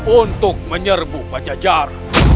untuk menyerbu pajajar